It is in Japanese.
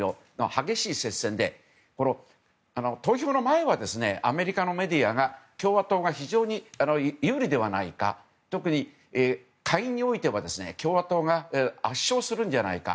激しい接戦で、投票の前はアメリカのメディアが共和党が非常に有利ではないか特に下院においては共和党が圧勝するんじゃないか。